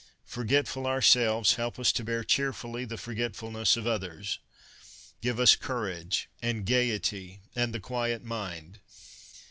Forgetful ourselves, help us to bear cheerfully the forgetfulness of others. Give us courage and gaiety and the quiet mind.